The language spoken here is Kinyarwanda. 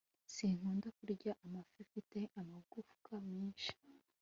sinkunda kurya amafi afite amagufwa menshi